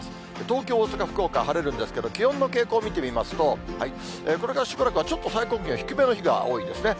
東京、大阪、福岡は晴れるんですけど、気温の傾向見てみますと、これからしばらくはちょっと最高気温低めの日が多いですね。